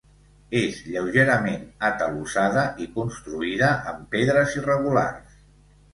És lleugerament atalussada i construïda amb pedres irregulars.